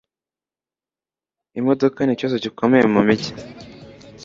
Imodoka nikibazo gikomeye mumijyi.